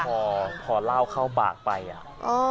พอพอเล่าเข้าปากไปอ่ะ